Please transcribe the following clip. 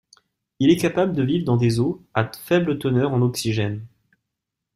Il est capable de vivre dans des eaux à faible teneur en oxygène.